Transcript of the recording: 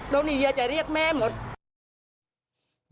โดนีเดียจะเรียกแม่หมด